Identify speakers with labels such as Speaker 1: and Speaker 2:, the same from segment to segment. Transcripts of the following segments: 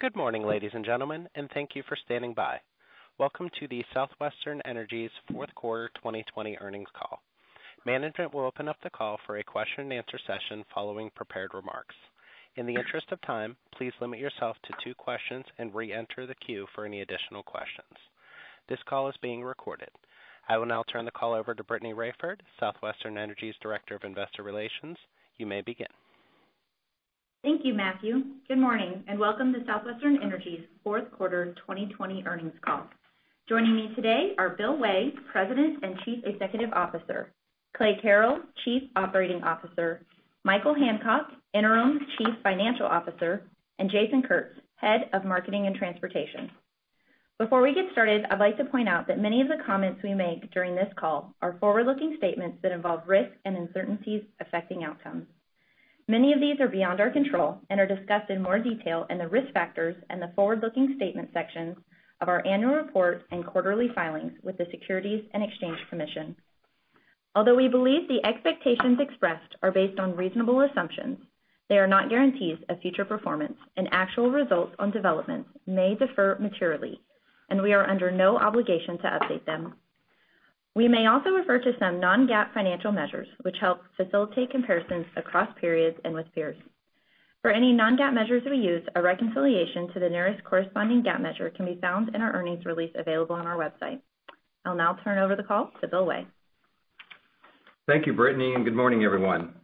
Speaker 1: Good morning, ladies and gentlemen, and thank you for standing by. Welcome to the Southwestern Energy's Q4 2020 earnings call. Management will open up the call for a question-and-answer session following prepared remarks. In the interest of time, please limit yourself to two questions and re-enter the queue for any additional questions. This call is being recorded. I will now turn the call over to Brittany Raiford, Southwestern Energy's Director of Investor Relations. You may begin.
Speaker 2: Thank you, Matthew. Good morning and welcome to Southwestern Energy's Q4 2020 earnings call. Joining me today are Bill Way, President and Chief Executive Officer, Clay Carrell, Chief Operating Officer, Michael Hancock, Interim Chief Financial Officer, and Jason Kurtz, Head of Marketing and Transportation. Before we get started, I'd like to point out that many of the comments we make during this call are forward-looking statements that involve risks and uncertainties affecting outcomes. Many of these are beyond our control and are discussed in more detail in the Risk Factors and the Forward-Looking Statements sections of our annual report and quarterly filings with the Securities and Exchange Commission. Although we believe the expectations expressed are based on reasonable assumptions, they are not guarantees of future performance, and actual results or developments may differ materially, and we are under no obligation to update them. We may also refer to some non-GAAP financial measures, which help facilitate comparisons across periods and with peers. For any non-GAAP measures we use, a reconciliation to the nearest corresponding GAAP measure can be found in our earnings release available on our website. I'll now turn over the call to Bill Way.
Speaker 3: Thank you, Brittany, and good morning, everyone.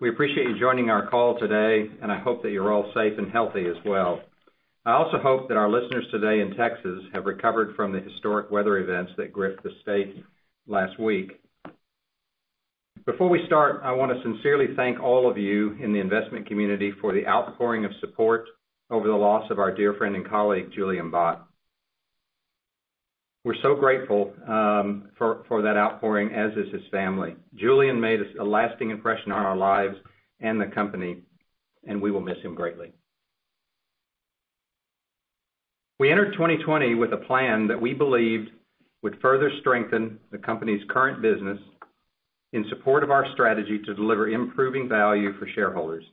Speaker 3: We appreciate you joining our call today, and I hope that you're all safe and healthy as well. I also hope that our listeners today in Texas have recovered from the historic weather events that gripped the state last week. Before we start, I want to sincerely thank all of you in the investment community for the outpouring of support over the loss of our dear friend and colleague, Julian Bott. We're so grateful for that outpouring, as is his family. Julian made a lasting impression on our lives and the company, and we will miss him greatly. We entered 2020 with a plan that we believed would further strengthen the company's current business in support of our strategy to deliver improving value for shareholders.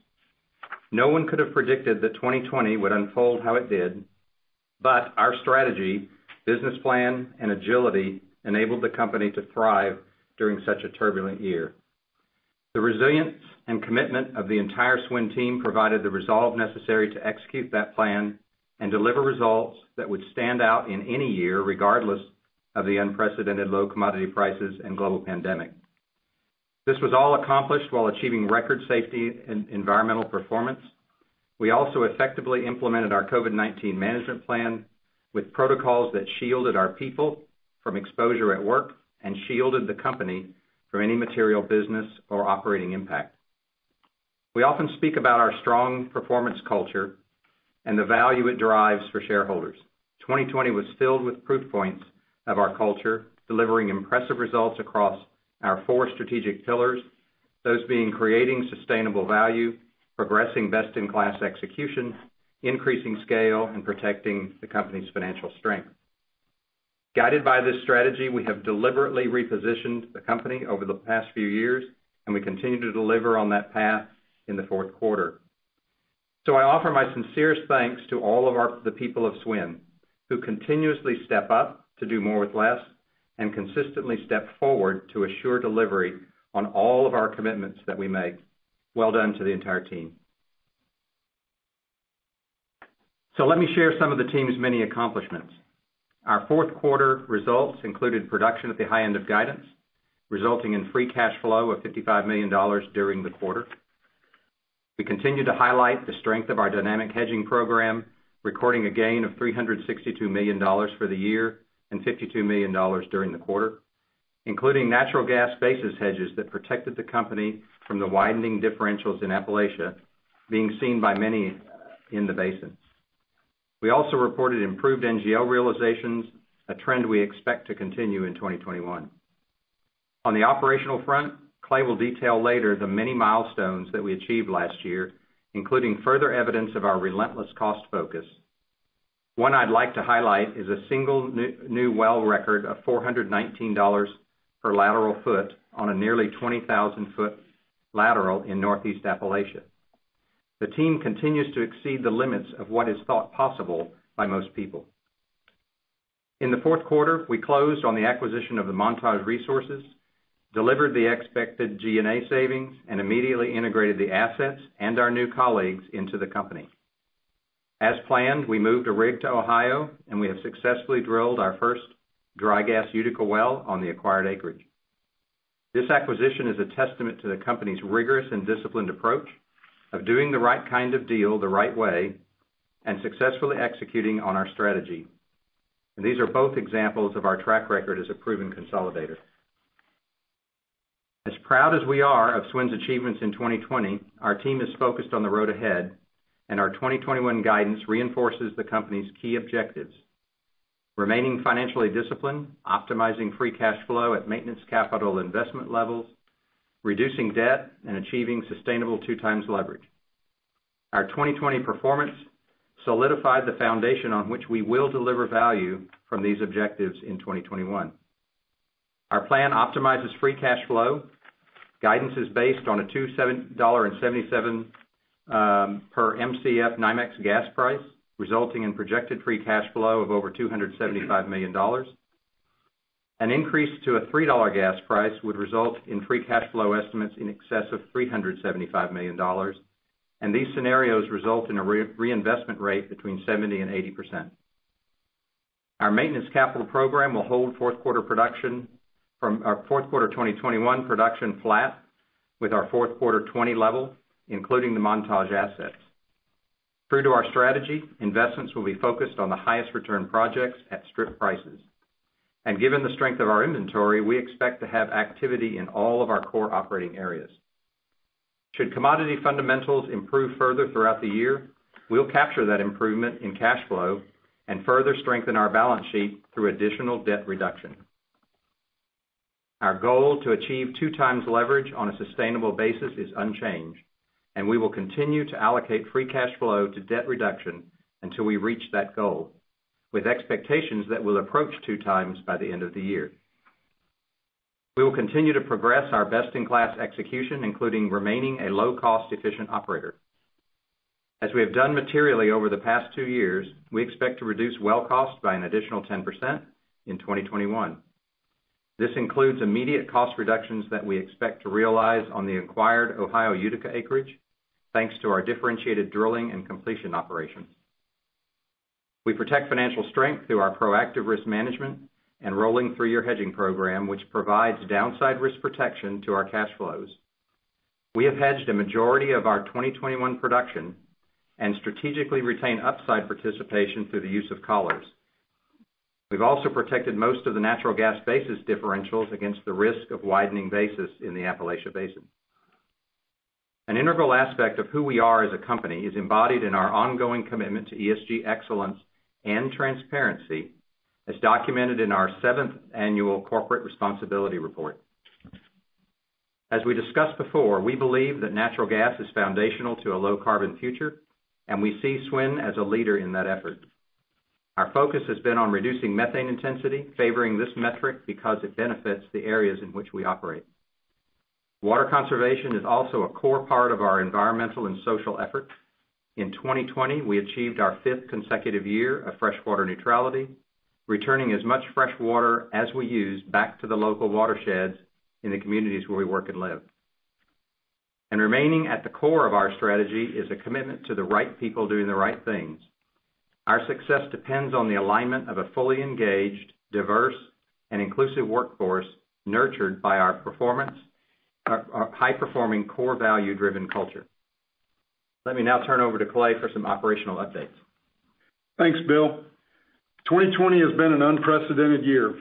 Speaker 3: No one could have predicted that 2020 would unfold how it did, but our strategy, business plan, and agility enabled the company to thrive during such a turbulent year. The resilience and commitment of the entire SWN team provided the resolve necessary to execute that plan and deliver results that would stand out in any year, regardless of the unprecedented low commodity prices and global pandemic. This was all accomplished while achieving record safety and environmental performance. We also effectively implemented our COVID-19 management plan with protocols that shielded our people from exposure at work and shielded the company from any material business or operating impact. We often speak about our strong performance culture and the value it derives for shareholders. 2020 was filled with proof points of our culture, delivering impressive results across our four strategic pillars, those being creating sustainable value, progressing best-in-class execution, increasing scale, and protecting the company's financial strength. Guided by this strategy, we have deliberately repositioned the company over the past few years, and we continue to deliver on that path in the Q4. I offer my sincerest thanks to all of the people of SWN, who continuously step up to do more with less and consistently step forward to assure delivery on all of our commitments that we make. Well done to the entire team. Let me share some of the team's many accomplishments. Our Q4 results included production at the high end of guidance, resulting in free cash flow of $55 million during the quarter. We continue to highlight the strength of our dynamic hedging program, recording a gain of $362 million for the year and $52 million during the quarter, including natural gas basis hedges that protected the company from the widening differentials in Appalachia being seen by many in the basin. We also reported improved NGL realizations, a trend we expect to continue in 2021. On the operational front, Clay will detail later the many milestones that we achieved last year, including further evidence of our relentless cost focus. One I'd like to highlight is a single new well record of $419 per lateral foot on a nearly 20,000-foot lateral in Northeast Appalachia. The team continues to exceed the limits of what is thought possible by most people. In the Q4, we closed on the acquisition of the Montage Resources, delivered the expected G&A savings, and immediately integrated the assets and our new colleagues into the company. As planned, we moved a rig to Ohio, and we have successfully drilled our first dry gas Utica well on the acquired acreage. This acquisition is a testament to the company's rigorous and disciplined approach of doing the right kind of deal the right way and successfully executing on our strategy. These are both examples of our track record as a proven consolidator. As proud as we are of SWN's achievements in 2020, our team is focused on the road ahead, and our 2021 guidance reinforces the company's key objectives: remaining financially disciplined, optimizing free cash flow at maintenance capital investment levels, reducing debt, and achieving sustainable 2x leverage. Our 2020 performance solidified the foundation on which we will deliver value from these objectives in 2021. Our plan optimizes free cash flow. Guidance is based on a $2.77 per Mcf NYMEX gas price, resulting in projected free cash flow of over $275 million. An increase to a $3 gas price would result in free cash flow estimates in excess of $375 million. These scenarios result in a reinvestment rate between 70% and 80%. Our maintenance capital program will hold Q4 production from our fourth quarter 2021 production flat with our Q4 2020 level, including the Montage assets. True to our strategy, investments will be focused on the highest return projects at strip prices. Given the strength of our inventory, we expect to have activity in all of our core operating areas. Should commodity fundamentals improve further throughout the year, we'll capture that improvement in cash flow and further strengthen our balance sheet through additional debt reduction. Our goal to achieve 2x leverage on a sustainable basis is unchanged, and we will continue to allocate free cash flow to debt reduction until we reach that goal, with expectations that we'll approach 2x by the end of the year. We will continue to progress our best-in-class execution, including remaining a low-cost, efficient operator. As we have done materially over the past two years, we expect to reduce well costs by an additional 10% in 2021. This includes immediate cost reductions that we expect to realize on the acquired Ohio Utica acreage, thanks to our differentiated drilling and completion operations. We protect financial strength through our proactive risk management and rolling three-year hedging program, which provides downside risk protection to our cash flows. We have hedged a majority of our 2021 production and strategically retain upside participation through the use of collars. We've also protected most of the natural gas basis differentials against the risk of widening basis in the Appalachia Basin. An integral aspect of who we are as a company is embodied in our ongoing commitment to ESG excellence and transparency, as documented in our seventh annual corporate responsibility report. As we discussed before, we believe that natural gas is foundational to a low-carbon future, and we see SWN as a leader in that effort. Our focus has been on reducing methane intensity, favoring this metric because it benefits the areas in which we operate. Water conservation is also a core part of our environmental and social effort. In 2020, we achieved our fifth consecutive year of freshwater neutrality, returning as much fresh water as we use back to the local watersheds in the communities where we work and live. Remaining at the core of our strategy is a commitment to the right people doing the right things. Our success depends on the alignment of a fully engaged, diverse, and inclusive workforce nurtured by our high-performing core value-driven culture. Let me now turn over to Clay for some operational updates.
Speaker 4: Thanks, Bill. 2020 has been an unprecedented year.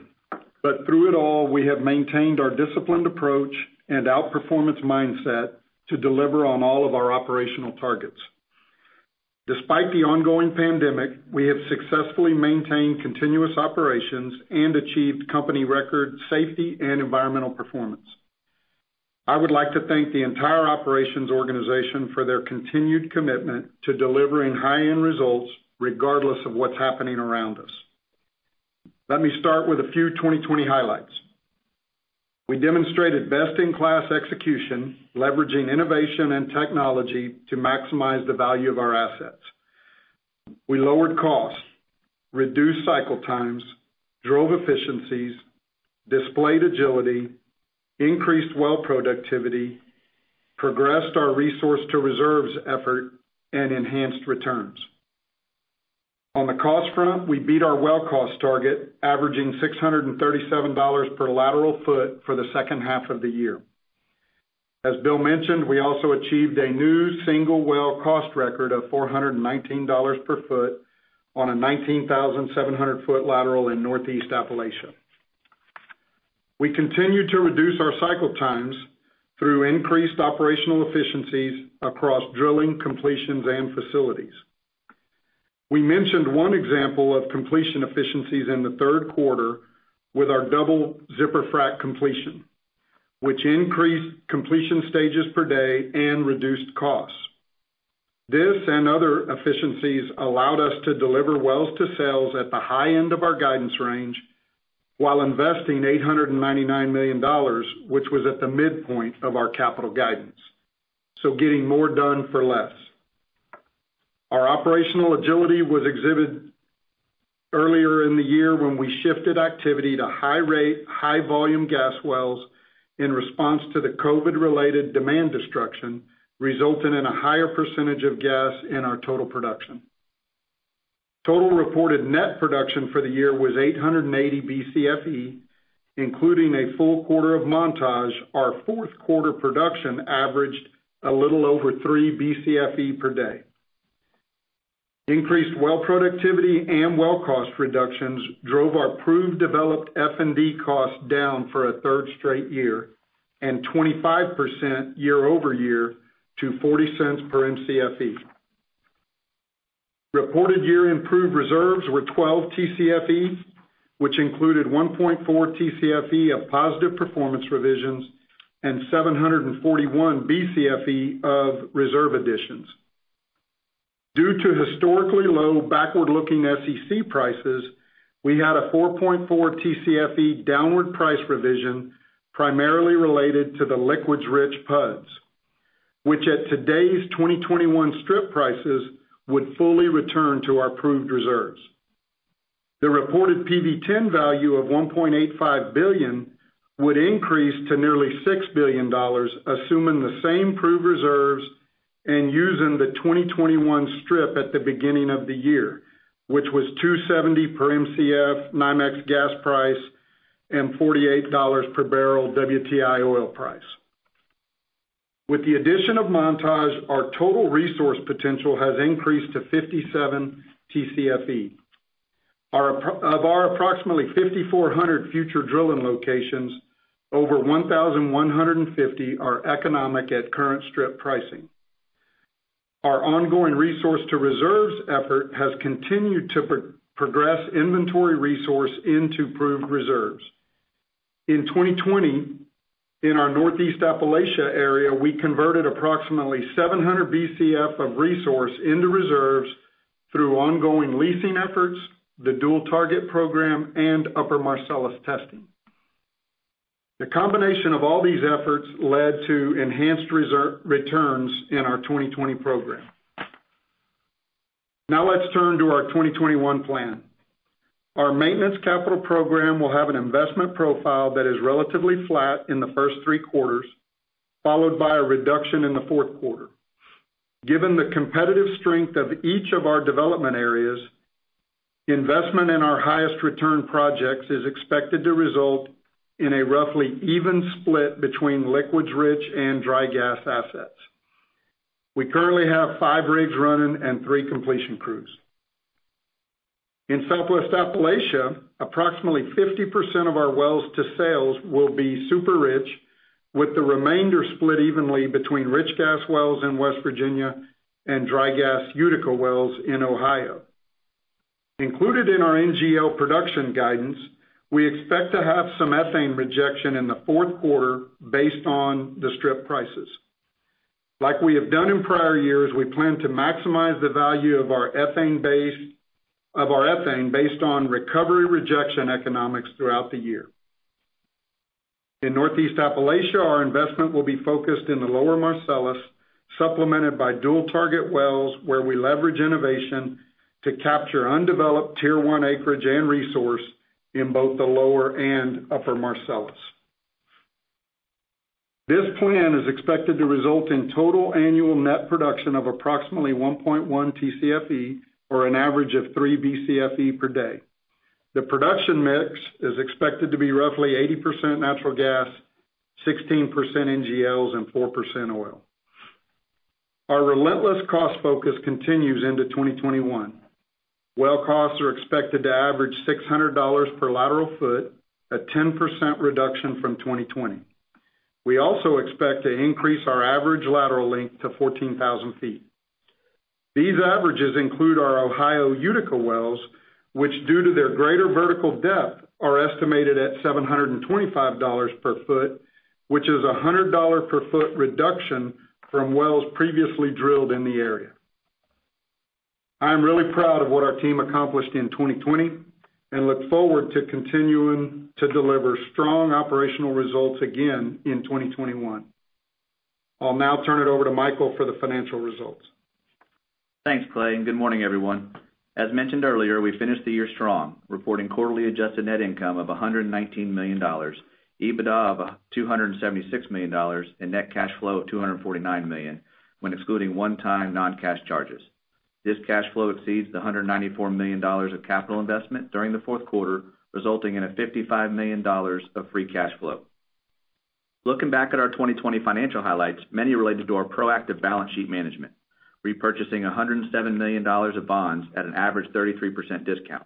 Speaker 4: Through it all, we have maintained our disciplined approach and outperformance mindset to deliver on all of our operational targets. Despite the ongoing pandemic, we have successfully maintained continuous operations and achieved company record safety and environmental performance. I would like to thank the entire operations organization for their continued commitment to delivering high-end results regardless of what's happening around us. Let me start with a few 2020 highlights. We demonstrated best-in-class execution, leveraging innovation and technology to maximize the value of our assets. We lowered costs, reduced cycle times, drove efficiencies, displayed agility, increased well productivity, progressed our resource-to-reserves effort, and enhanced returns. On the cost front, we beat our well cost target, averaging $637 per lateral foot for the H2 of the year. As Bill mentioned, we also achieved a new single well cost record of $419 per foot on a 19,700-foot lateral in Northeast Appalachia. We continued to reduce our cycle times through increased operational efficiencies across drilling, completions, and facilities. We mentioned one example of completion efficiencies in the Q3 with our double zipper frac completion, which increased completion stages per day and reduced costs. This and other efficiencies allowed us to deliver wells to sales at the high end of our guidance range while investing $899 million, which was at the midpoint of our capital guidance. Getting more done for less. Our operational agility was exhibited earlier in the year when we shifted activity to high rate, high volume gas wells in response to the COVID-related demand destruction, resulting in a higher percentage of gas in our total production. Total reported net production for the year was 880 Bcfe, including a full quarter of Montage. Our Q4 production averaged a little over three Bcfe per day. Increased well productivity and well cost reductions drove our proved developed F&D costs down for a third straight year and 25% year-over-year to $0.40 per Mcfe. Reported year-end proved reserves were 12 Tcfe, which included 1.4 Tcfe of positive performance revisions and 741 Bcfe of reserve additions. Due to historically low backward-looking SEC prices, we had a 4.4 Tcfe downward price revision, primarily related to the liquids rich PUDs, which at today's 2021 strip prices would fully return to our proved reserves. The reported PV-10 value of $1.85 billion would increase to nearly $6 billion, assuming the same proved reserves and using the 2021 strip at the beginning of the year, which was 2.70 per Mcf NYMEX gas price and $48 per barrel WTI oil price. With the addition of Montage, our total resource potential has increased to 57 Tcfe. Of our approximately 5,400 future drilling locations, over 1,150 are economic at current strip pricing. Our ongoing resource to reserves effort has continued to progress inventory resource into proved reserves. In 2020, in our Northeast Appalachia area, we converted approximately 700 Bcf of resource into reserves through ongoing leasing efforts, the dual target program, and Upper Marcellus testing. The combination of all these efforts led to enhanced returns in our 2020 program. Now let's turn to our 2021 plan. Our maintenance capital program will have an investment profile that is relatively flat in the first three quarters, followed by a reduction in the Q4. Given the competitive strength of each of our development areas, investment in our highest return projects is expected to result in a roughly even split between liquids rich and dry gas assets. We currently have five rigs running and three completion crews. In Southwest Appalachia, approximately 50% of our wells to sales will be super rich, with the remainder split evenly between rich gas wells in West Virginia and dry gas Utica wells in Ohio. Included in our NGL production guidance, we expect to have some ethane rejection in the Q4 based on the strip prices. Like we have done in prior years, we plan to maximize the value of our ethane, based on recovery rejection economics throughout the year. In Northeast Appalachia, our investment will be focused in the Lower Marcellus, supplemented by dual target wells, where we leverage innovation to capture undeveloped Tier 1 acreage and resource in both the Lower and Upper Marcellus. This plan is expected to result in total annual net production of approximately 1.1 Tcfe, or an average of three Bcfe per day. The production mix is expected to be roughly 80% natural gas, 16% NGLs, and 4% oil. Our relentless cost focus continues into 2021. Well costs are expected to average $600 per lateral foot, a 10% reduction from 2020. We also expect to increase our average lateral length to 14,000 feet. These averages include our Ohio Utica wells, which due to their greater vertical depth, are estimated at $725 per foot, which is $100 per foot reduction from wells previously drilled in the area. I am really proud of what our team accomplished in 2020, and look forward to continuing to deliver strong operational results again in 2021. I'll now turn it over to Michael for the financial results.
Speaker 5: Thanks, Clay. Good morning, everyone. As mentioned earlier, we finished the year strong, reporting quarterly adjusted net income of $119 million, EBITDA of $276 million, and net cash flow of $249 million when excluding one-time non-cash charges. This cash flow exceeds the $194 million of capital investment during the Q4, resulting in a $55 million of free cash flow. Looking back at our 2020 financial highlights, many related to our proactive balance sheet management, repurchasing $107 million of bonds at an average 33% discount.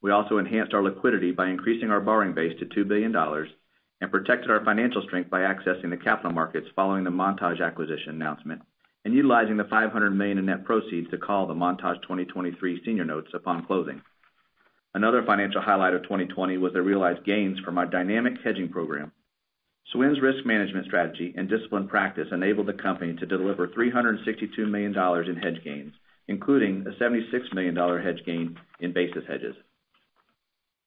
Speaker 5: We also enhanced our liquidity by increasing our borrowing base to $2 billion, and protected our financial strength by accessing the capital markets following the Montage acquisition announcement, and utilizing the $500 million in net proceeds to call the Montage 2023 senior notes upon closing. Another financial highlight of 2020 was the realized gains from our dynamic hedging program. SWN's risk management strategy and disciplined practice enabled the company to deliver $362 million in hedge gains, including a $76 million hedge gain in basis hedges.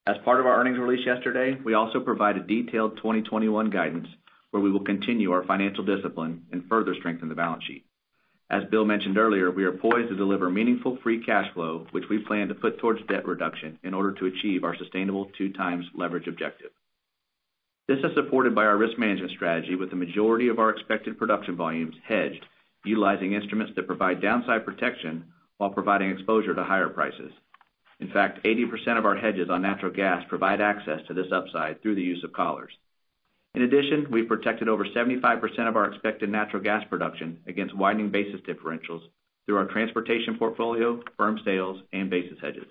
Speaker 5: As part of our earnings release yesterday, we also provided detailed 2021 guidance where we will continue our financial discipline and further strengthen the balance sheet. As Bill mentioned earlier, we are poised to deliver meaningful free cash flow, which we plan to put towards debt reduction in order to achieve our sustainable 2x leverage objective. This is supported by our risk management strategy with the majority of our expected production volumes hedged, utilizing instruments that provide downside protection while providing exposure to higher prices. In fact, 80% of our hedges on natural gas provide access to this upside through the use of collars. In addition, we've protected over 75% of our expected natural gas production against widening basis differentials through our transportation portfolio, firm sales, and basis hedges.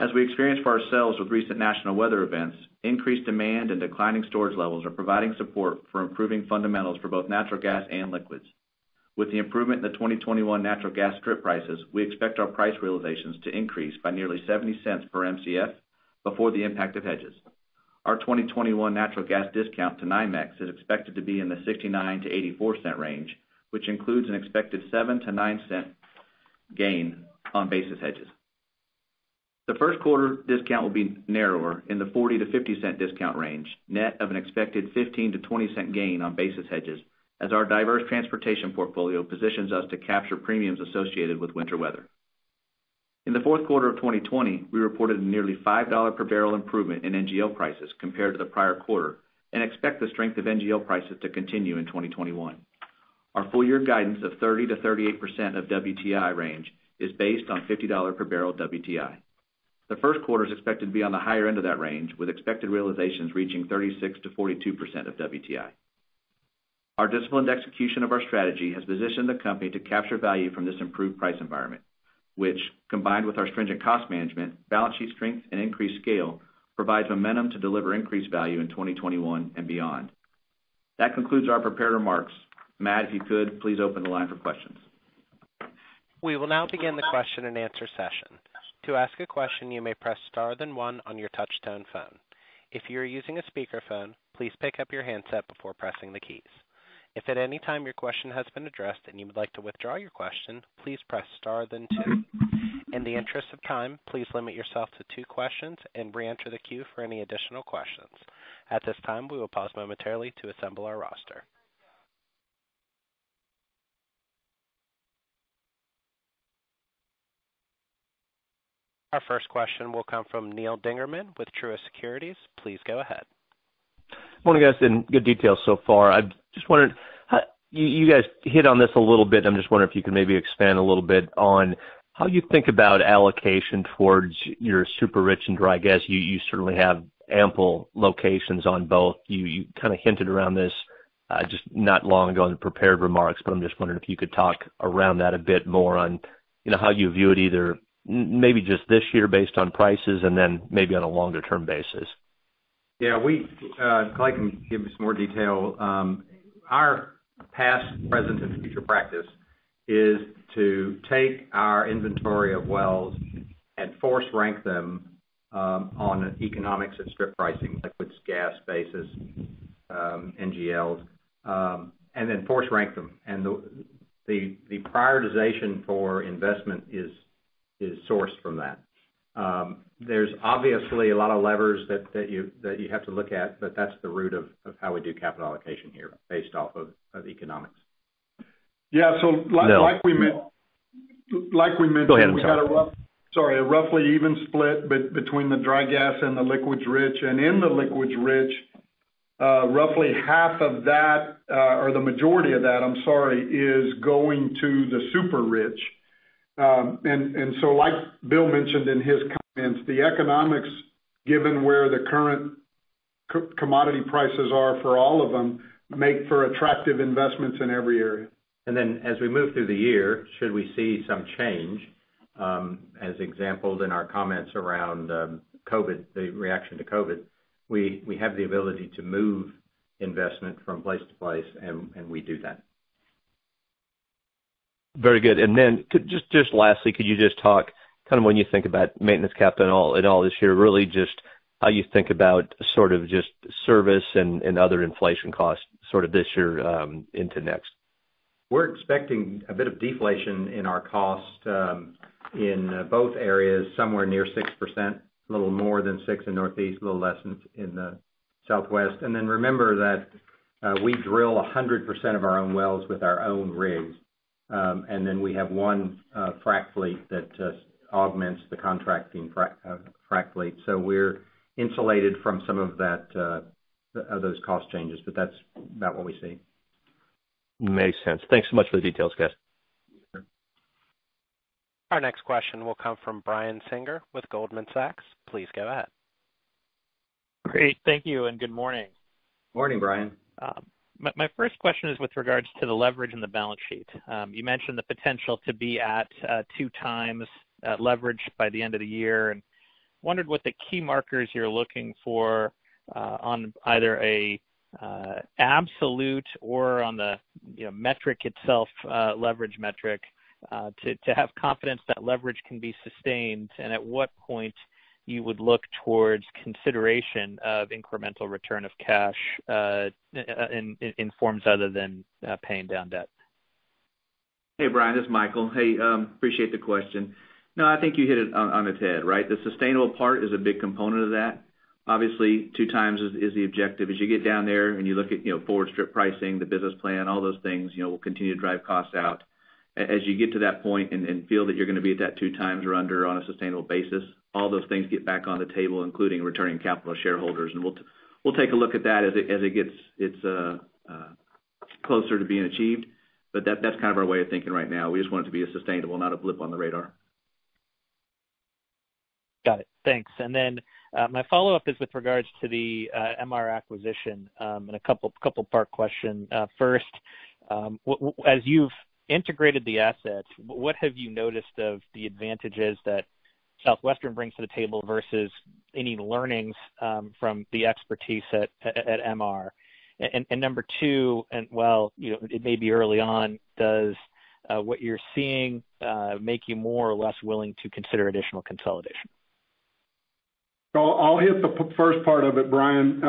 Speaker 5: As we experienced for ourselves with recent national weather events, increased demand and declining storage levels are providing support for improving fundamentals for both natural gas and liquids. With the improvement in the 2021 natural gas strip prices, we expect our price realizations to increase by nearly $0.70 per Mcf before the impact of hedges. Our 2021 natural gas discount to NYMEX is expected to be in the $0.69-$0.84 range, which includes an expected $0.07-$0.09 gain on basis hedges. The Q1 discount will be narrower in the $0.40-$0.50 discount range, net of an expected $0.15-$0.20 gain on basis hedges, as our diverse transportation portfolio positions us to capture premiums associated with winter weather. In the Q4 of 2020, we reported a nearly $5 per barrel improvement in NGL prices compared to the prior quarter, and expect the strength of NGL prices to continue in 2021. Our full year guidance of 30%-38% of WTI range is based on $50 per barrel WTI. The Q1 is expected to be on the higher end of that range, with expected realizations reaching 36%-42% of WTI. Our disciplined execution of our strategy has positioned the company to capture value from this improved price environment, which, combined with our stringent cost management, balance sheet strength, and increased scale, provides momentum to deliver increased value in 2021 and beyond. That concludes our prepared remarks. Matt, if you could, please open the line for questions.
Speaker 1: We will now begin the question-and-answer session. To ask a question, you may press star then one on your touch tone phone. If you are using a speakerphone, please pick up your handset before pressing the keys. If at any time your question has been addressed and you would like to withdraw your question, please press star then two. In the interest of time, please limit yourself to two questions and re-enter the queue for any additional questions. At this time, we will pause momentarily to assemble our roster. Our first question will come from Neal Dingmann with Truist Securities. Please go ahead.
Speaker 6: Morning, guys. Good details so far. You guys hit on this a little bit. I'm just wondering if you could maybe expand a little bit on how you think about allocation towards your super rich and dry gas. You certainly have ample locations on both. You kind of hinted around this just not long ago in the prepared remarks, but I'm just wondering if you could talk around that a bit more on how you view it, either maybe just this year based on prices and then maybe on a longer-term basis.
Speaker 5: Yeah. Clay Carrell can give you some more detail. Our past, present, and future practice is to take our inventory of wells and force rank them on economics and strip pricing, liquids gas basis, NGLs, and then force rank them, and the prioritization for investment is sourced from that. There's obviously a lot of levers that you have to look at, but that's the root of how we do capital allocation here, based off of economics.
Speaker 4: Yeah. like we.
Speaker 6: Go ahead. I'm sorry.
Speaker 4: Sorry. A roughly even split between the dry gas and the liquids rich. In the liquids rich, roughly half of that, or the majority of that, I'm sorry, is going to the super rich. Like Bill mentioned in his comments, the economics, given where the current commodity prices are for all of them, make for attractive investments in every area.
Speaker 3: As we move through the year, should we see some change, as exampled in our comments around COVID, the reaction to COVID, we have the ability to move investment from place to place, and we do that.
Speaker 6: Very good. Then just lastly, could you just talk kind of when you think about maintenance capital and all this year, really just how you think about sort of just service and other inflation costs sort of this year into next?
Speaker 4: We're expecting a bit of deflation in our cost in both areas, somewhere near 6%, a little more than 6% in Northeast, a little less in the Southwest. Remember that we drill 100% of our own wells with our own rigs. We have one frack fleet that just augments the contracting frack fleet. We're insulated from some of those cost changes, but that's about what we see.
Speaker 6: Makes sense. Thanks so much for the details, guys.
Speaker 3: Sure.
Speaker 1: Our next question will come from Brian Singer with Goldman Sachs. Please go ahead.
Speaker 7: Great. Thank you, and good morning.
Speaker 5: Morning, Brian.
Speaker 7: My first question is with regards to the leverage in the balance sheet. You mentioned the potential to be at 2x leverage by the end of the year, and wondered what the key markers you're looking for on either a absolute or on the metric itself, leverage metric, to have confidence that leverage can be sustained, and at what point you would look towards consideration of incremental return of cash in forms other than paying down debt?
Speaker 5: Hey, Brian, this is Michael. Hey, appreciate the question. No, I think you hit it on its head, right? The sustainable part is a big component of that. Obviously, 2x is the objective. As you get down there and you look at forward strip pricing, the business plan, all those things, we'll continue to drive costs out. As you get to that point and feel that you're going to be at that 2x or under on a sustainable basis, all those things get back on the table, including returning capital to shareholders. We'll take a look at that as it gets closer to being achieved. That's kind of our way of thinking right now. We just want it to be a sustainable, not a blip on the radar.
Speaker 7: Got it. Thanks. My follow-up is with regards to the MR acquisition, a couple-part question. First, as you've integrated the assets, what have you noticed of the advantages that Southwestern brings to the table versus any learnings from the expertise at MR? Number two, while it may be early on, does what you're seeing make you more or less willing to consider additional consolidation?
Speaker 4: I'll hit the first part of it, Brian.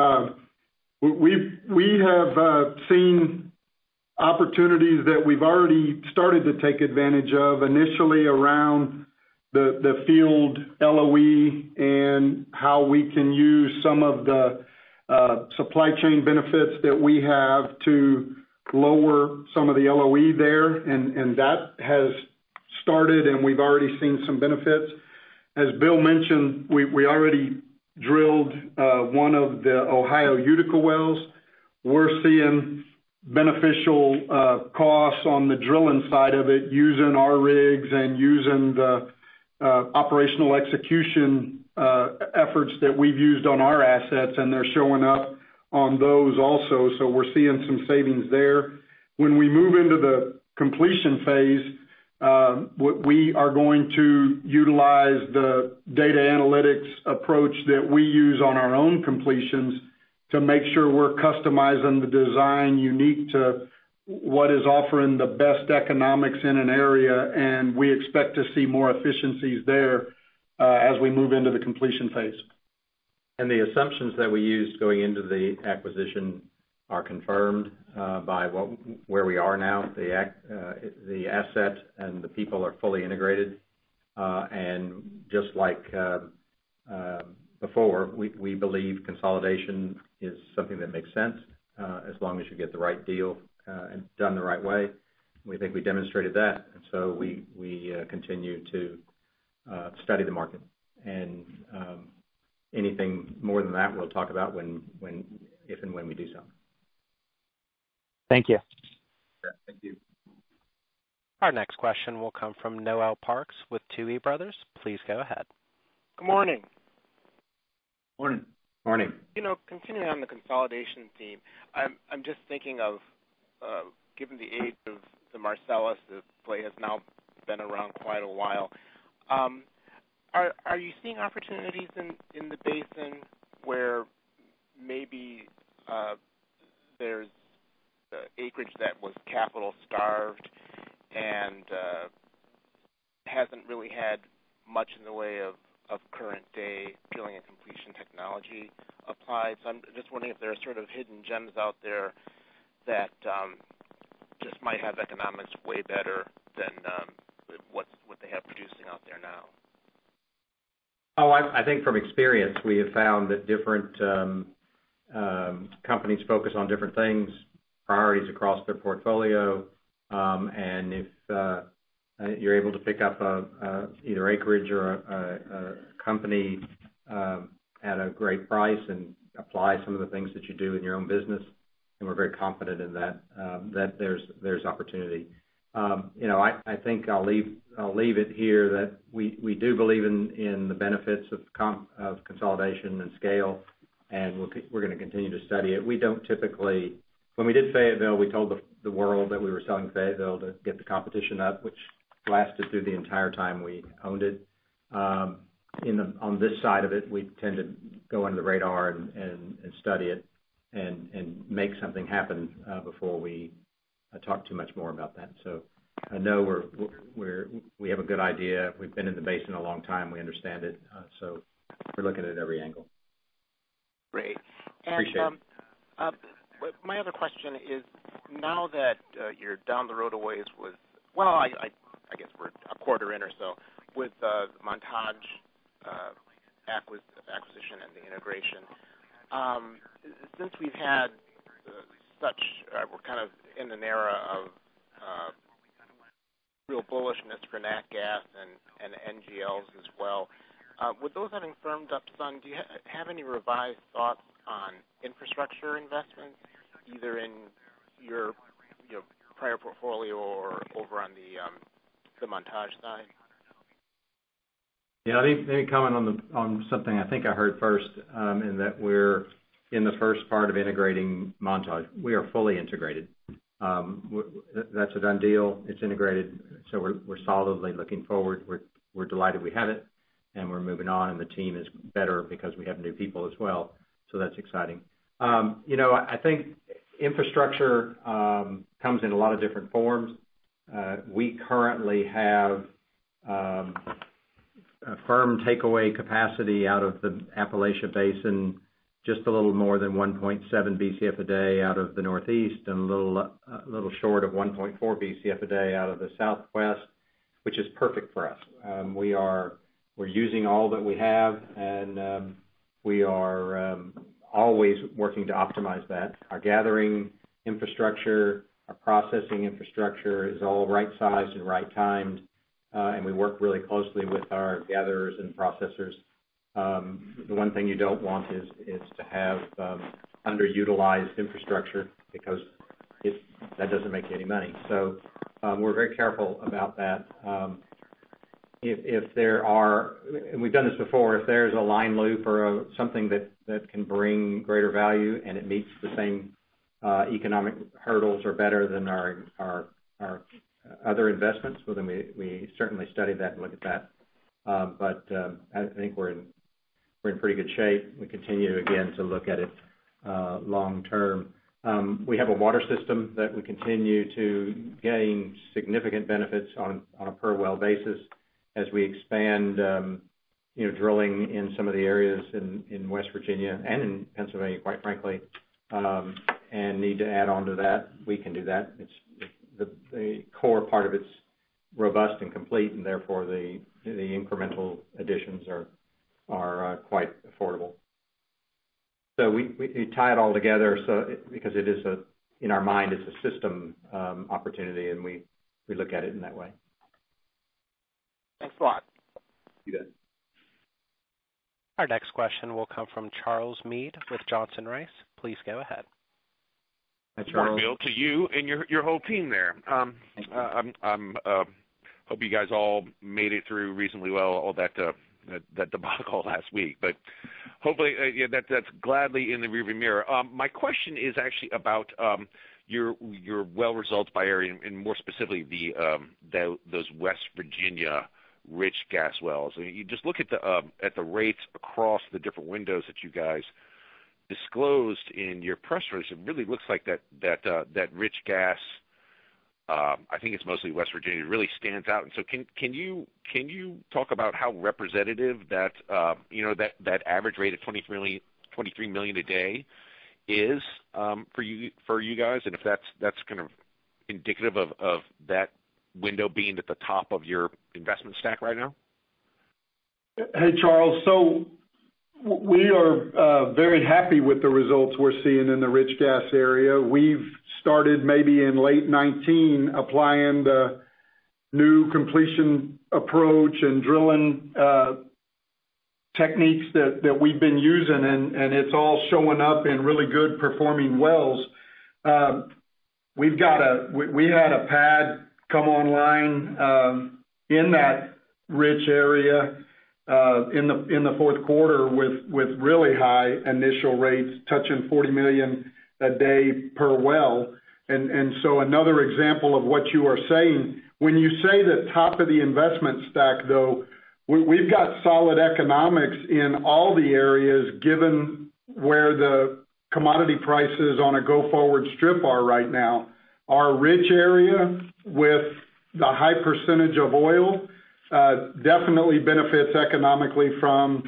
Speaker 4: We have seen opportunities that we've already started to take advantage of initially around the field LOE and how we can use some of the supply chain benefits that we have to lower some of the LOE there. That has started, and we've already seen some benefits. As Bill mentioned, we already drilled one of the Ohio Utica wells. We're seeing beneficial costs on the drilling side of it, using our rigs and using the operational execution efforts that we've used on our assets, and they're showing up on those also. We're seeing some savings there. When we move into the completion phase, what we are going to utilize the data analytics approach that we use on our own completions to make sure we're customizing the design unique to what is offering the best economics in an area. We expect to see more efficiencies there, as we move into the completion phase.
Speaker 3: The assumptions that we used going into the acquisition are confirmed by where we are now. The asset and the people are fully integrated. Just like before, we believe consolidation is something that makes sense, as long as you get the right deal and done the right way. We think we demonstrated that. We continue to study the market. Anything more than that, we'll talk about if and when we do so.
Speaker 7: Thank you.
Speaker 4: Yeah. Thank you.
Speaker 1: Our next question will come from Noel Parks with Tuohy Brothers. Please go ahead.
Speaker 8: Good morning.
Speaker 3: Morning.
Speaker 4: Morning.
Speaker 8: Continuing on the consolidation theme, I'm just thinking of given the age of the Marcellus, the play has now been around quite a while. Are you seeing opportunities in the basin where maybe there's acreage that was capital starved and hasn't really had much in the way of current day drilling and completion technology applied? I'm just wondering if there are sort of hidden gems out there that just might have economics way better than what they have producing out there now.
Speaker 3: I think from experience, we have found that different companies focus on different things, priorities across their portfolio. If you're able to pick up either acreage or a company at a great price and apply some of the things that you do in your own business, then we're very confident in that there's opportunity. I think I'll leave it here that we do believe in the benefits of consolidation and scale, and we're going to continue to study it. When we did Fayetteville, we told the world that we were selling Fayetteville to get the competition up, which lasted through the entire time we owned it. On this side of it, we tend to go under the radar and study it and make something happen before we talk too much more about that. I know we have a good idea. We've been in the basin a long time. We understand it. We're looking at every angle.
Speaker 8: Great.
Speaker 3: Appreciate it.
Speaker 8: My other question is, now that you're down the road a ways with Well, I guess we're a quarter in or so with Montage acquisition and the integration. We're kind of in an era of real bullishness for nat gas, and NGLs as well. With those having firmed up some, do you have any revised thoughts on infrastructure investments, either in your prior portfolio or over on the Montage side?
Speaker 3: Let me comment on something I think I heard first, in that we're in the first part of integrating Montage. We are fully integrated. That's a done deal. It's integrated. We're solidly looking forward. We're delighted we have it, and we're moving on, and the team is better because we have new people as well. That's exciting. I think infrastructure comes in a lot of different forms. We currently have a firm takeaway capacity out of the Appalachia Basin, just a little more than 1.7 Bcf a day out of the Northeast, and a little short of 1.4 Bcf a day out of the Southwest, which is perfect for us. We're using all that we have, and we are always working to optimize that. Our gathering infrastructure, our processing infrastructure is all right-sized and right-timed. We work really closely with our gatherers and processors. The one thing you don't want is to have underutilized infrastructure because that doesn't make you any money. We're very careful about that. We've done this before, if there's a line loop or something that can bring greater value and it meets the same economic hurdles or better than our other investments, well, then we certainly study that and look at that. I think we're in
Speaker 9: We're in pretty good shape. We continue, again, to look at it long-term. We have a water system that we continue to gain significant benefits on a per-well basis as we expand drilling in some of the areas in West Virginia and in Pennsylvania, quite frankly, and need to add onto that. We can do that. The core part of it's robust and complete, and therefore, the incremental additions are quite affordable. We tie it all together because it is, in our mind, a system opportunity, and we look at it in that way.
Speaker 8: Thanks a lot.
Speaker 3: You bet.
Speaker 1: Our next question will come from Charles Meade with Johnson Rice. Please go ahead.
Speaker 3: Hi, Charles.
Speaker 10: Good morning, Bill, to you and your whole team there. Thank you. I hope you guys all made it through reasonably well, all that debacle last week, but hopefully, that's gladly in the rear view mirror. My question is actually about your well results by area, and more specifically, those West Virginia rich gas wells. You just look at the rates across the different windows that you guys disclosed in your press release, it really looks like that rich gas, I think it's mostly West Virginia, really stands out. Can you talk about how representative that average rate of 23 million a day is for you guys, and if that's kind of indicative of that window being at the top of your investment stack right now?
Speaker 4: Hey, Charles. We are very happy with the results we're seeing in the rich gas area. We've started maybe in late 2019, applying the new completion approach and drilling techniques that we've been using, and it's all showing up in really good performing wells. We had a pad come online in that rich area in the Q4 with really high initial rates touching $40 million a day per well. Another example of what you are saying, when you say the top of the investment stack, though, we've got solid economics in all the areas, given where the commodity prices on a go forward strip are right now. Our rich area with the high percentage of oil definitely benefits economically from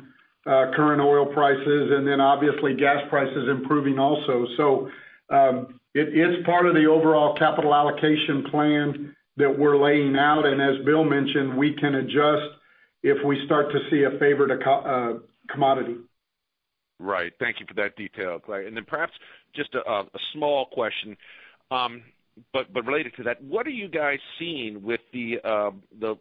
Speaker 4: current oil prices and then obviously gas prices improving also. It is part of the overall capital allocation plan that we're laying out, and as Bill mentioned, we can adjust if we start to see a favored commodity.
Speaker 10: Right. Thank you for that detail, Clay. Perhaps just a small question, but related to that, what are you guys seeing with the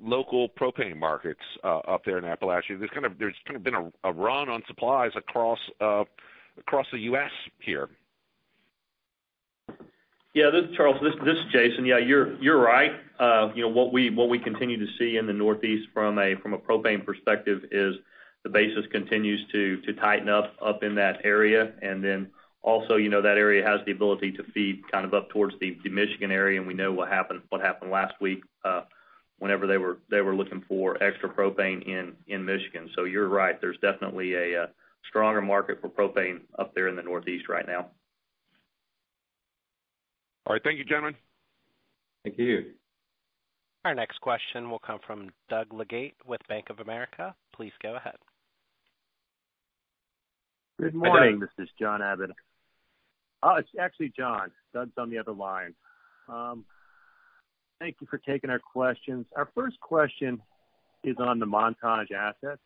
Speaker 10: local propane markets up there in Appalachia? There's kind of been a run on supplies across the U.S. here.
Speaker 9: Charles, this is Jason. You're right. What we continue to see in the Northeast from a propane perspective is the basis continues to tighten up in that area. Also that area has the ability to feed up towards the Michigan area, and we know what happened last week, whenever they were looking for extra propane in Michigan. You're right. There's definitely a stronger market for propane up there in the Northeast right now.
Speaker 10: All right. Thank you, gentlemen.
Speaker 9: Thank you.
Speaker 1: Our next question will come from Doug Leggate with Bank of America. Please go ahead.
Speaker 11: Good morning. Hi, Doug. This is John Abbott. Oh, it's actually John. Doug's on the other line. Thank you for taking our questions. Our first question is on the Montage assets.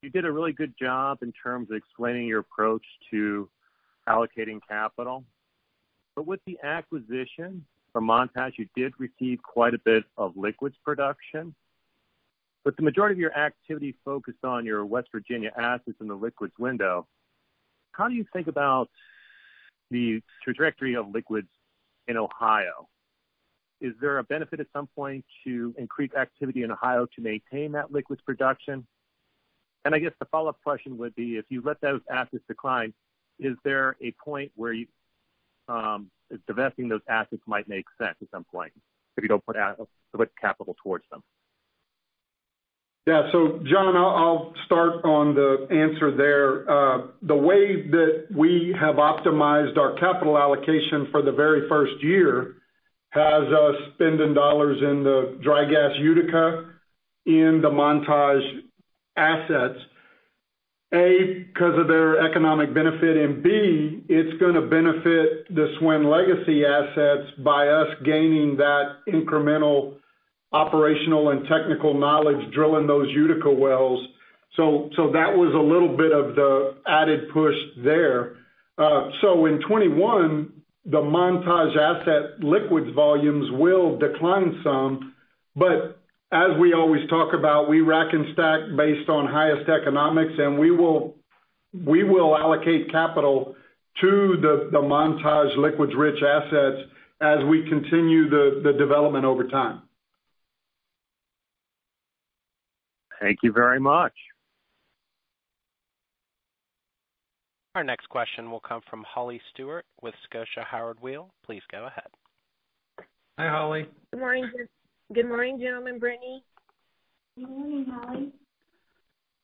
Speaker 11: You did a really good job in terms of explaining your approach to allocating capital. With the acquisition for Montage, you did receive quite a bit of liquids production. The majority of your activity focused on your West Virginia assets in the liquids window. How do you think about the trajectory of liquids in Ohio? Is there a benefit at some point to increase activity in Ohio to maintain that liquids production? I guess the follow-up question would be, if you let those assets decline, is there a point where divesting those assets might make sense at some point if you don't put capital towards them?
Speaker 4: Yeah. John, I'll start on the answer there. The way that we have optimized our capital allocation for the very first year has us spending dollars in the dry gas Utica in the Montage assets, A, because of their economic benefit, and B, it's going to benefit the SWN legacy assets by us gaining that incremental operational and technical knowledge drilling those Utica wells. In 2021, the Montage asset liquids volumes will decline some, but as we always talk about, we rack and stack based on highest economics, and we will allocate capital to the Montage liquids-rich assets as we continue the development over time.
Speaker 11: Thank you very much.
Speaker 1: Our next question will come from Holly Stewart with Scotiabank Howard Weil. Please go ahead.
Speaker 3: Hi, Holly.
Speaker 12: Good morning, gentlemen. Brittany.
Speaker 4: Good morning, Holly.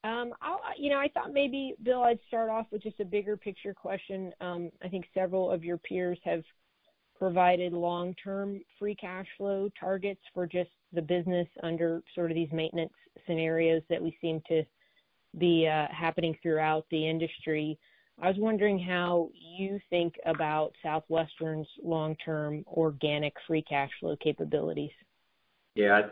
Speaker 12: I thought maybe, Bill, I'd start off with just a bigger picture question. I think several of your peers have provided long-term free cash flow targets for just the business under sort of these maintenance scenarios that we seem to be happening throughout the industry. I was wondering how you think about Southwestern's long-term organic free cash flow capabilities.
Speaker 3: Yeah.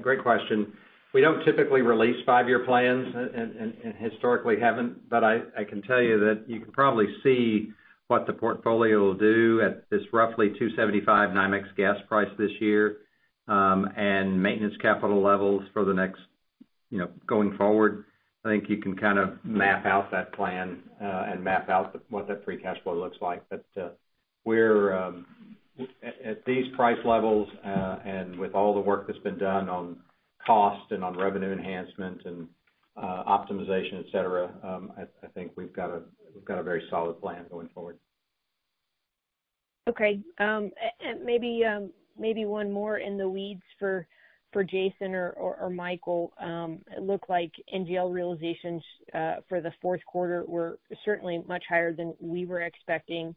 Speaker 3: Great question. We don't typically release five-year plans, and historically haven't, but I can tell you that you can probably see what the portfolio will do at this roughly $2.75 NYMEX gas price this year, and maintenance capital levels going forward. I think you can kind of map out that plan, and map out what that free cash flow looks like. At these price levels, and with all the work that's been done on cost and on revenue enhancement and optimization, et cetera, I think we've got a very solid plan going forward.
Speaker 12: Okay. Maybe one more in the weeds for Jason or Michael. It looked like NGL realizations for the Q4 were certainly much higher than we were expecting.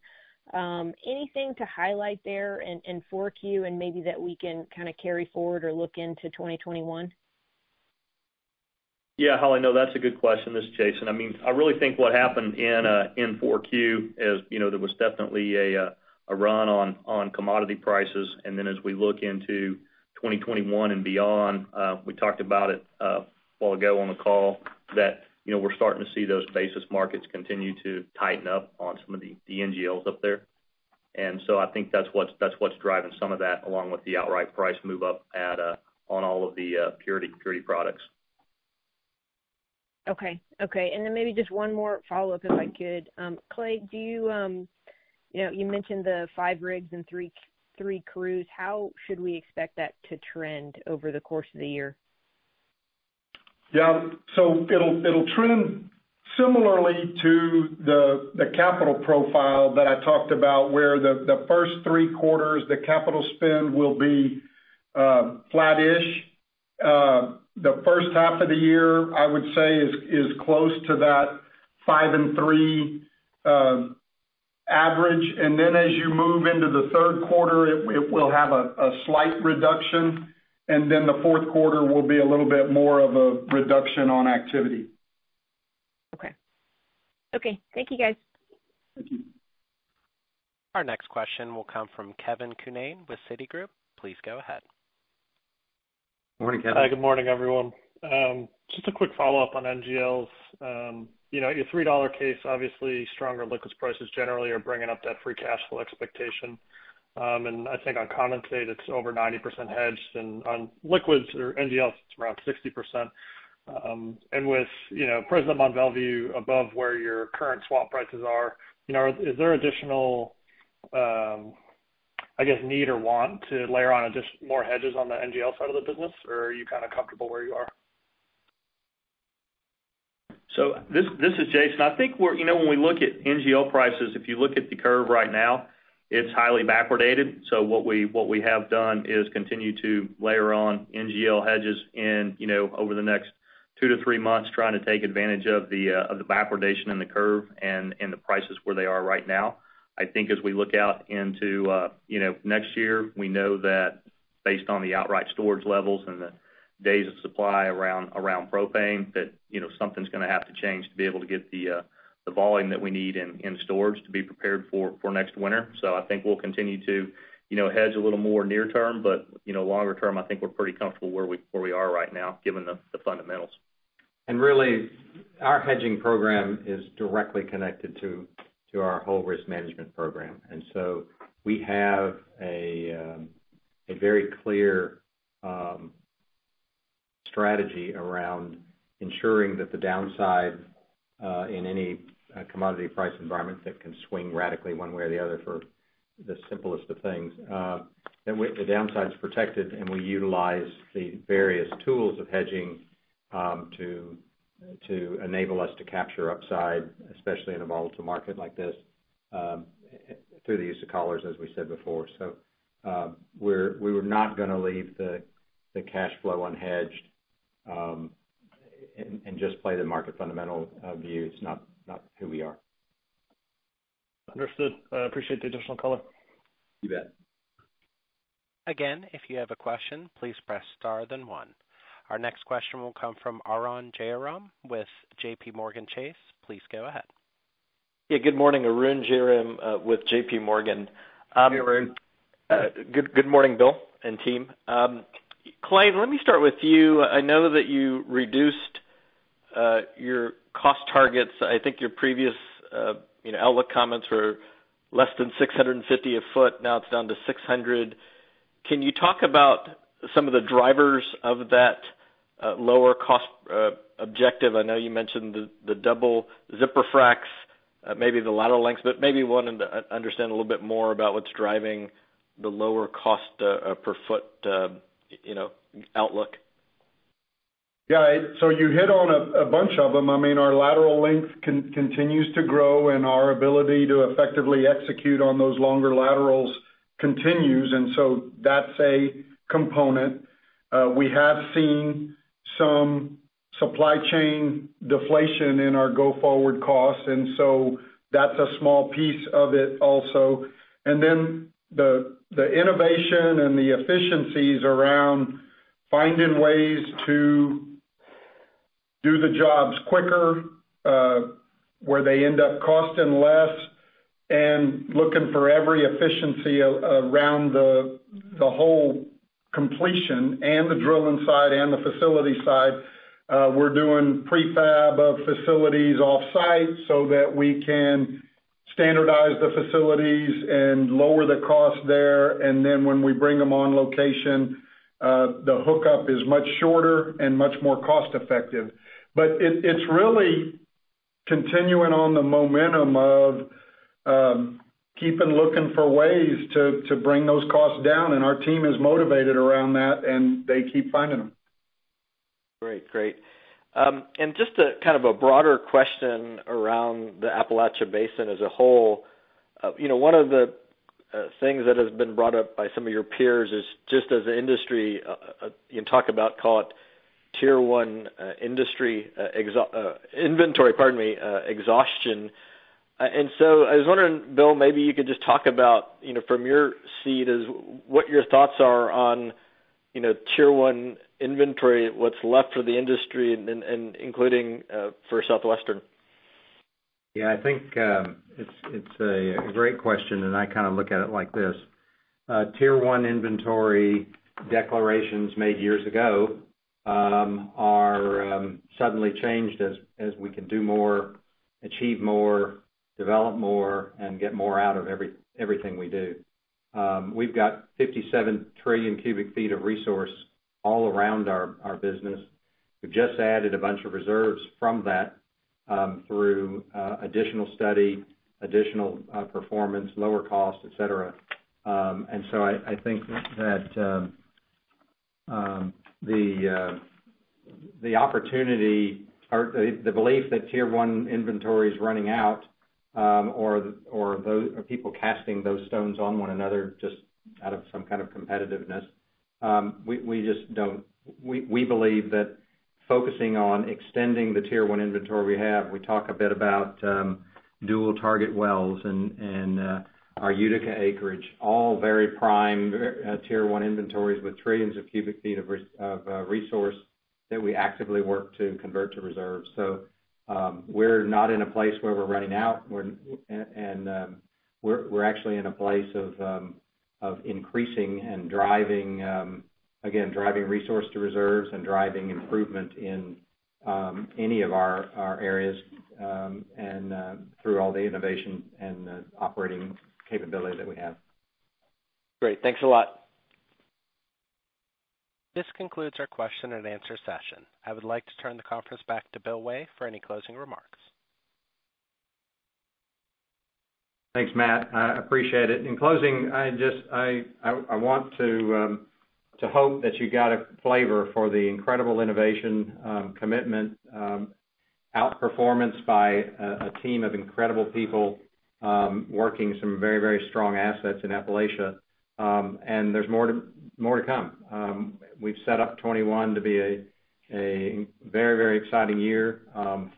Speaker 12: Anything to highlight there in 4Q and maybe that we can kind of carry forward or look into 2021?
Speaker 9: Yeah, Holly. That's a good question. This is Jason. I really think what happened in 4Q is there was definitely a run on commodity prices. As we look into 2021 and beyond, we talked about it a while ago on the call that we're starting to see those basis markets continue to tighten up on some of the NGLs up there. I think that's what's driving some of that, along with the outright price move up on all of the purity products.
Speaker 12: Okay. Maybe just one more follow-up, if I could. Clay, you mentioned the five rigs and three crews. How should we expect that to trend over the course of the year?
Speaker 4: Yeah. It'll trend similarly to the capital profile that I talked about, where the first three quarters, the capital spend will be flattish. The H1 of the year, I would say, is close to that five and three average. As you move into the Q3, it will have a slight reduction, and then the Q4 will be a little bit more of a reduction on activity.
Speaker 12: Okay. Thank you, guys.
Speaker 4: Thank you.
Speaker 1: Our next question will come from Kevin Cunane with Citigroup. Please go ahead.
Speaker 3: Morning, Kevin.
Speaker 13: Hi, good morning, everyone. Just a quick follow-up on NGLs. Your $3 case, obviously stronger liquids prices generally are bringing up that free cash flow expectation. I think on condensate, it's over 90% hedged, and on liquids or NGLs, it's around 60%. With present Mont Belvieu above where your current swap prices are, is there additional, I guess, need or want to layer on just more hedges on the NGL side of the business? Or are you kind of comfortable where you are?
Speaker 9: This is Jason. I think when we look at NGL prices, if you look at the curve right now, it's highly backwardated. What we have done is continue to layer on NGL hedges in over the next two to three months, trying to take advantage of the backwardation in the curve and the prices where they are right now. I think as we look out into next year, we know that based on the outright storage levels and the days of supply around propane, that something's going to have to change to be able to get the volume that we need in storage to be prepared for next winter. I think we'll continue to hedge a little more near term, but longer term, I think we're pretty comfortable where we are right now given the fundamentals.
Speaker 3: Really, our hedging program is directly connected to our whole risk management program. We have a very clear strategy around ensuring that the downside in any commodity price environment that can swing radically one way or the other for the simplest of things, that the downside's protected, and we utilize the various tools of hedging to enable us to capture upside, especially in a volatile market like this, through the use of collars, as we said before. We were not going to leave the cash flow unhedged and just play the market fundamental views. It's not who we are.
Speaker 13: Understood. I appreciate the additional color.
Speaker 3: You bet.
Speaker 1: Again, if you have a question, please press star then one. Our next question will come from Arun Jayaram with J.P. Morgan Chase. Please go ahead.
Speaker 14: Yeah, good morning. Arun Jayaram with J.P. Morgan.
Speaker 3: Hey, Arun.
Speaker 14: Good morning, Bill and team. Clay, let me start with you. I know that you reduced your cost targets. I think your previous outlook comments were less than 650 a foot. Now it's down to 600. Can you talk about some of the drivers of that lower cost objective? I know you mentioned the double zipper fracs, maybe the lateral lengths, but maybe wanting to understand a little bit more about what's driving the lower cost per foot outlook.
Speaker 4: Yeah. You hit on a bunch of them. I mean, our lateral length continues to grow, and our ability to effectively execute on those longer laterals continues, and so that's a component. We have seen some supply chain deflation in our go-forward costs, and so that's a small piece of it also. The innovation and the efficiencies around finding ways to do the jobs quicker, where they end up costing less, and looking for every efficiency around the whole completion and the drilling side and the facility side. We're doing prefab of facilities offsite so that we can standardize the facilities and lower the cost there. When we bring them on location, the hookup is much shorter and much more cost-effective. It's really continuing on the momentum of keeping looking for ways to bring those costs down, and our team is motivated around that, and they keep finding them.
Speaker 14: Great. Just a kind of a broader question around the Appalachia Basin as a whole. One of the things that has been brought up by some of your peers is just as an industry, you can talk about, call it Tier 1 inventory, pardon me, exhaustion. I was wondering, Bill, maybe you could just talk about, from your seat, what your thoughts are on Tier 1 inventory, what's left for the industry, and including for Southwestern.
Speaker 3: I think it's a great question. I kind of look at it like this. Tier 1 inventory declarations made years ago are suddenly changed as we can do more, achieve more, develop more, and get more out of everything we do. We've got 57 trillion cubic feet of resource all around our business. We've just added a bunch of reserves from that through additional study, additional performance, lower cost, et cetera. I think that the opportunity or the belief that Tier 1 inventory is running out or people casting those stones on one another just out of some kind of competitiveness, we believe that focusing on extending the Tier 1 inventory we have, we talk a bit about dual target wells and our Utica acreage, all very prime Tier 1 inventories with trillions of cubic feet of resource that we actively work to convert to reserves. We're not in a place where we're running out, and we're actually in a place of increasing and driving, again, driving resource to reserves and driving improvement in any of our areas, and through all the innovation and the operating capability that we have.
Speaker 14: Great. Thanks a lot.
Speaker 1: This concludes our question-and-answer session. I would like to turn the conference back to Bill Way for any closing remarks.
Speaker 3: Thanks, Matt. I appreciate it. In closing, I want to hope that you got a flavor for the incredible innovation, commitment, outperformance by a team of incredible people working some very strong assets in Appalachia. There's more to come. We've set up 2021 to be a very exciting year,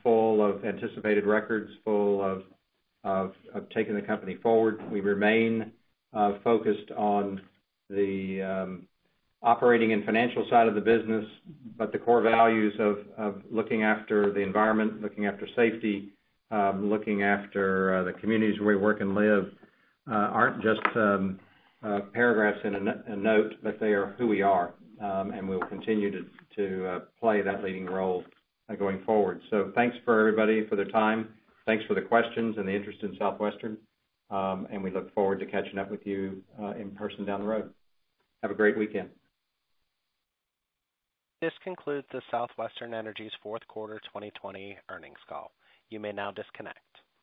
Speaker 3: full of anticipated records, full of taking the company forward. We remain focused on the operating and financial side of the business, but the core values of looking after the environment, looking after safety, looking after the communities where we work and live aren't just paragraphs in a note, but they are who we are, and we'll continue to play that leading role going forward. Thanks for everybody for their time. Thanks for the questions and the interest in Southwestern. We look forward to catching up with you in person down the road. Have a great weekend.
Speaker 1: This concludes the Southwestern Energy's Q4 2020 earnings call. You may now disconnect.